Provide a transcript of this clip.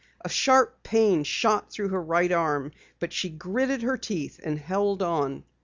A sharp pain shot through her right arm, but she gritted her teeth and held on.